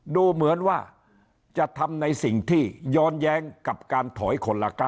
ดูเหมือนว่าจะทำในสิ่งที่ย้อนแย้งกับการถอยคนละกัน